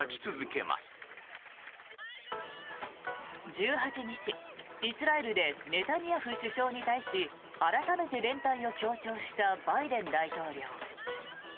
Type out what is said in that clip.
１８日、イスラエルでネタニヤフ首相に対し改めて連帯を強調したバイデン大統領。